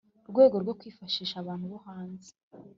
rwego rwo kwifashisha abantu bo hanze